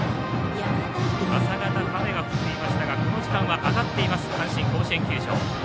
朝方、雨が降っていましたがこの時間はあがっています、阪神甲子園球場。